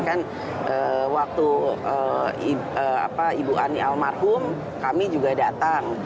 kan waktu ibu ani almarhum kami juga datang